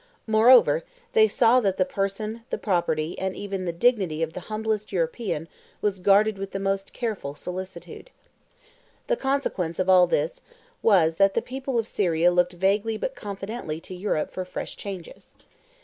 Moreover, they saw that the person, the property, and even the dignity of the humblest European was guarded with the most careful solicitude. The consequence of all this was, that the people of Syria looked vaguely, but confidently, to Europe for fresh changes.